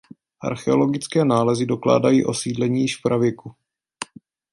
Archeologické nálezy dokládají osídlení již v pravěku.